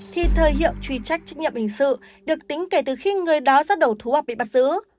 thì thời hiệu truy trách trách nhiệm hình sự được tính kể từ khi người đó ra đầu thú hoặc bị bắt giữ